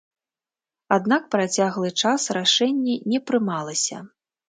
Аднак працяглы час рашэнне не прымалася.